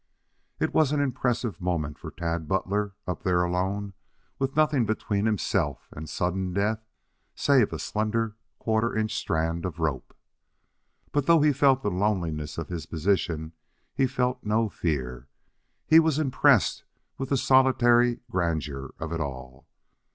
It was an impressive moment for Tad Butler up there alone, with nothing between himself and sudden death save a slender quarter inch strand of rope. But though he felt the loneliness of his position, he felt no fear; he was impressed with the solitary grandeur of it all.